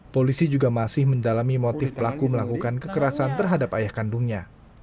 polisi juga masih mendalami motif pelaku melakukan kekerasan terhadap ayah kandungnya